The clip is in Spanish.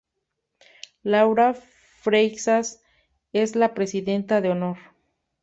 Laura Freixas es la Presidenta de Honor.